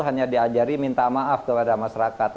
hanya diajari minta maaf kepada masyarakat